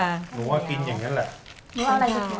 หนูว่ากินอย่างนั้นแหละ